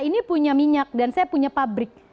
ini punya minyak dan saya punya pabrik